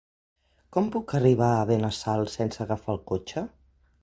Com puc arribar a Benassal sense agafar el cotxe?